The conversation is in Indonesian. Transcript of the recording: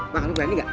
bang lu berani gak